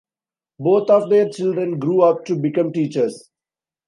Both of their children grew up to become teachers.